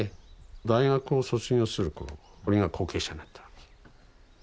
大学を卒業する頃俺が後継者になったわけ。